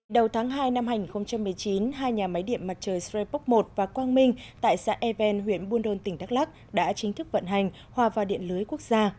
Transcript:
đầu tháng hai năm hai nghìn một mươi chín hai nhà máy điện mặt trời srepok một và quang minh tại xã e ven huyện buôn đôn tỉnh đắk lắc đã chính thức vận hành hòa vào điện lưới quốc gia